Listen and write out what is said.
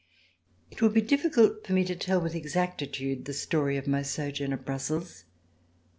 It would be difficult for me to tell, with exactitude, the story of my sojourn at Brussels.